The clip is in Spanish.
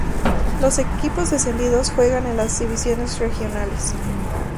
Los equipos descendidos juegan en las Divisiones Regionales.